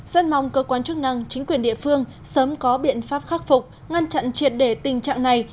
rất mong cơ quan chức năng chính quyền địa phương sớm có biện pháp khắc phục ngăn chặn triệt để tình trạng này